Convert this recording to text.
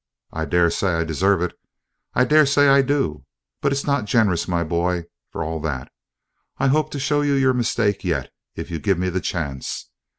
I daresay I deserve it, I daresay I do; but it's not generous, my boy, for all that. I hope to show you your mistake yet, if you give me the chance.